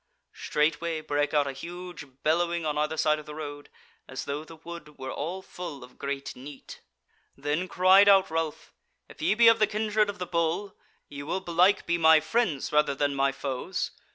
Straightway brake out a huge bellowing on either side of the road, as though the wood were all full of great neat. Then cried out Ralph: "If ye be of the kindred of the Bull, ye will belike be my friends rather than my foes.